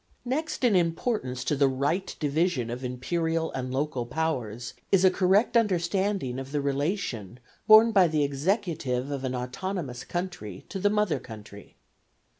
Next in importance to the right division of Imperial and local powers is a correct understanding of the relation borne by the executive of an autonomous country to the mother country.